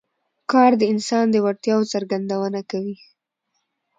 کار د انسان د وړتیاوو څرګندونه کوي